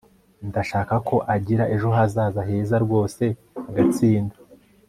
ndashaka ko agira ejo hazaza heza, rwose agatsinda